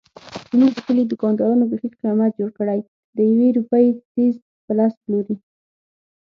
زموږ د کلي دوکاندارانو بیخي قیامت جوړ کړی دیوې روپۍ څيز په لس پلوري.